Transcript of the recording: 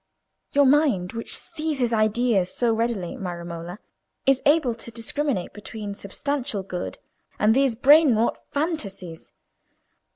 Your mind, which seizes ideas so readily, my Romola, is able to discriminate between substantial good and these brain wrought fantasies.